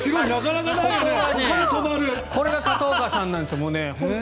これが片岡さんなんです。